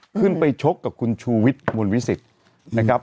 ขึ้นไปชกกับคุณชุวิตบุญวิสิตนะครับ